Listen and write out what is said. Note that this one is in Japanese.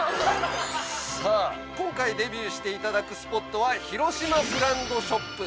◆さあ、今回デビューしていただくスポットはひろしまブランドショップ